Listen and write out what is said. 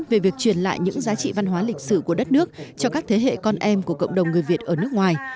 về việc truyền lại những giá trị văn hóa lịch sử của đất nước cho các thế hệ con em của cộng đồng người việt ở nước ngoài